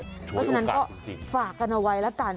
เพราะฉะนั้นก็ฝากกันเอาไว้แล้วกัน